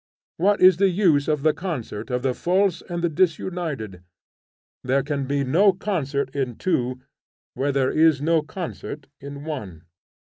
What is the use of the concert of the false and the disunited? There can be no concert in two, where there is no concert in one.